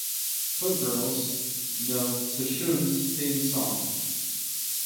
Footgirls no Seishun's theme song.